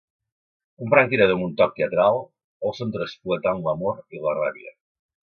Un franctirador amb un toc teatral, Olson traspua tant l'amor i la ràbia.